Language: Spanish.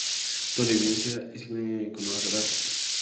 Toda la evidencia es enteramente iconográfica.